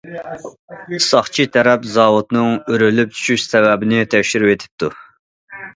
ساقچى تەرەپ زاۋۇتنىڭ ئۆرۈلۈپ چۈشۈش سەۋەبىنى تەكشۈرۈۋېتىپتۇ.